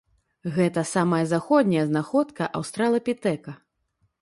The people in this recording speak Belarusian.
Гэта самая заходняя знаходка аўстралапітэка.